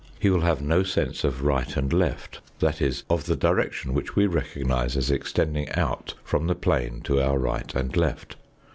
He will have no sense of right and left that is, of the direction which we recognise as extending out from the plane to our right and left.